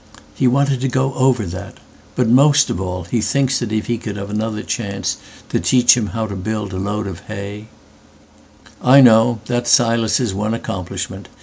He wanted to go over that. But most of allHe thinks if he could have another chanceTo teach him how to build a load of hay——""I know, that's Silas' one accomplishment.